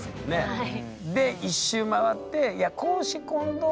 はい。